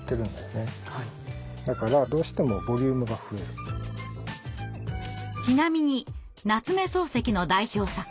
これはちなみに夏目漱石の代表作